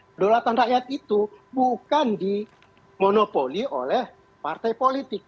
kedaulatan rakyat itu bukan dimonopoli oleh partai politik